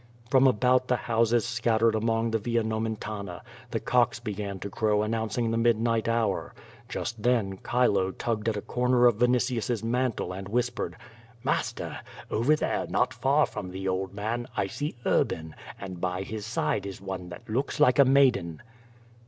From about the houses scattered along the Via Xomentana, the cocks began to crow announcing the midnight hour. Just then Chilo tugged at a corner of Vinitius's mantle and whis pered: "Master, over there not far from the old man, I see Urban, and by his side is one that looks like a maiden."